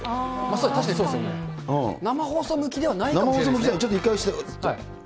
確かにそうですよね、生放送向きではないかもしれないですね。